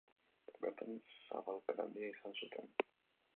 Bertan zabalpen handia izan zuten.